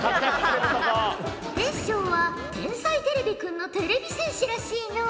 煌翔は「天才てれびくん」のてれび戦士らしいのう。